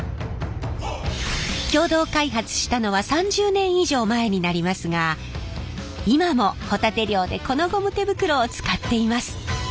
共同開発したのは３０年以上前になりますが今もホタテ漁でこのゴム手袋を使っています。